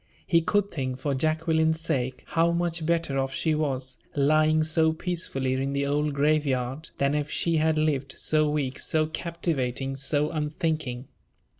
He could think, for Jacqueline's sake, how much better off she was, lying so peacefully in the old grave yard, than if she had lived, so weak, so captivating, so unthinking.